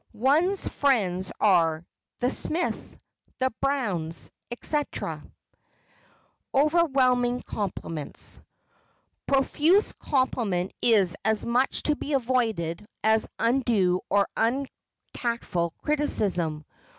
One's friends are "the Smiths," "the Browns," etc. [Sidenote: OVERWHELMING COMPLIMENTS] Profuse compliment is as much to be avoided as undue or untactful criticism.